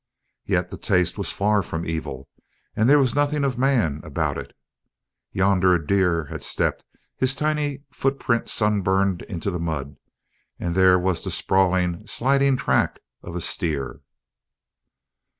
Yet the taste was far from evil, and there was nothing of man about it. Yonder a deer had stepped, his tiny footprint sun burned into the mud, and there was the sprawling, sliding track of a steer.